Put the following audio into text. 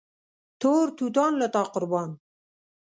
تور توتان له تا قربان